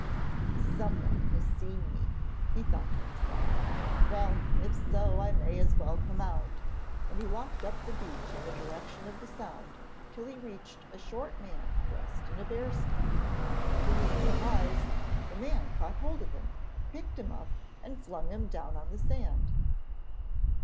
'Someone has seen me,' he thought to himself, 'well, if so, I may as well come out,' and he walked up the beach in the direction of the sound till he reached a short man dressed in a bear skin. To his surprise, the man caught hold of him, picked him up, and flung him down on the sand.